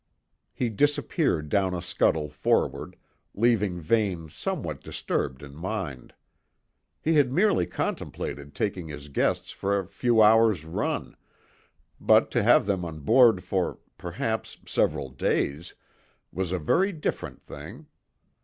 He disappeared down a scuttle forward, leaving Vane somewhat disturbed in mind. He had merely contemplated taking his guests for a few hours' run, but to have them on board for, perhaps, several days was a very different thing.